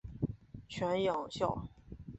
犬养孝。